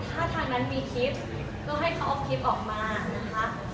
ถ้าทางนั้นมีคลิปก็ให้เขาเอาคลิปออกมานะคะ